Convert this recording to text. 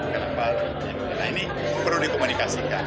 kenapa nah ini perlu dikomunikasikan